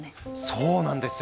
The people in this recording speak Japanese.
そうなんですよ。